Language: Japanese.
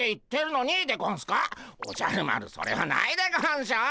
おじゃる丸それはないでゴンショ。